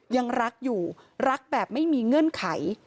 ยังรักอยู่รักแบบไม่มีเงื่อนไข